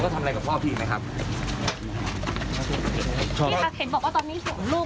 ทำไมทำไมทำไมพี่